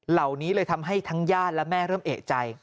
เหล่านี้เลยทำให้ทั้งญาติและแม่เริ่มเอกใจ